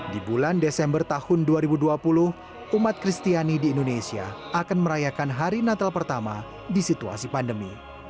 di bulan desember tahun dua ribu dua puluh umat kristiani di indonesia akan merayakan hari natal pertama di situasi pandemi